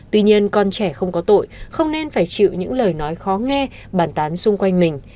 tuy nhiên con trẻ không có tội không nên phải chịu những lời nói khó nghe bàn tán xung quanh mình